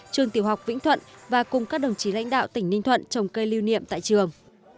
trường tiểu học vĩnh thuận và cùng các đồng chí lãnh đạo tỉnh ninh thuận trồng cây lưu niệm tại trường